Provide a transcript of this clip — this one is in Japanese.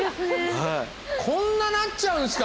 こんななっちゃうんすか？